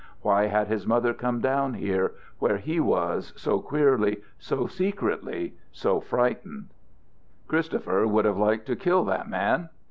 Why had his mother come down here, where he was, so queerly, so secretly, so frightened? Christopher would have liked to kill that man.